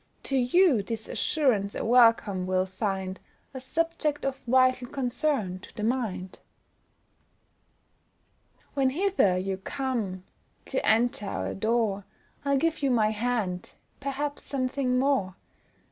To you this assurance a welcome will find, A subject of vital concern to the mind. When hither you come, do enter our door, I'll give you my hand, perhaps something more.